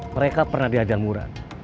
mereka pernah dihadir murad